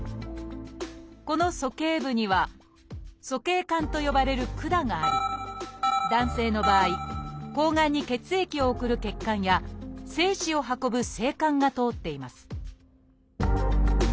この鼠径部には「鼠径管」と呼ばれる管があり男性の場合睾丸に血液を送る血管や精子を運ぶ精管が通っています